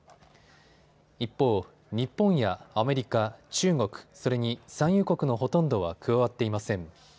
一方、日本やアメリカ、中国、それに産油国のほとんどは加わっていません。